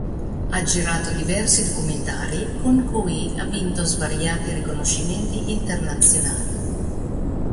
Ha girato diversi documentari, con cui ha vinto svariati riconoscimenti internazionali.